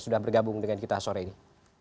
sudah bergabung dengan kita sore ini